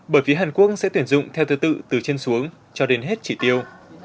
bởi vì hàn quốc sẽ tuyển dụng theo thứ tự từ chân xuống cho đến hết chỉ tiêu